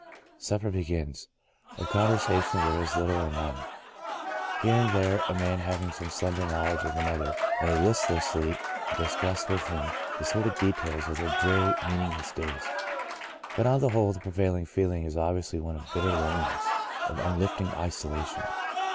Supper begins. Of conversation there is litde, or none. Here and there a man hav ing some slender knowledge of another may listlessly discuss with him the sordid details of their dreary, meaningless days. But on the whole, the prevailing feeling is obviously one of bitter loneliness, of unlifting isolation.